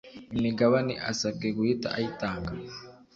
Imigabane asabwe guhita ayitanga